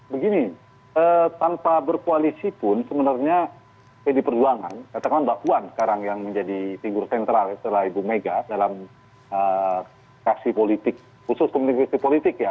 begini tanpa berkoalisi pun sebenarnya pdi perjuangan katakan mbak puan sekarang yang menjadi figur sentral setelah ibu mega dalam kasih politik khusus komunikasi politik ya